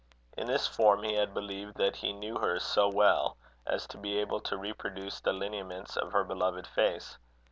In this form he had believed that he knew her so well, as to be able to reproduce the lineaments of her beloved face.